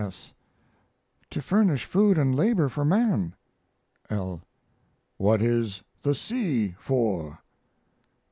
S. To furnish food and labor for man. L. What is the sea for?